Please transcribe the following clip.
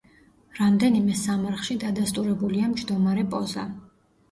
რამდენიმე სამარხში დადასტურებულია მჯდომარე პოზა.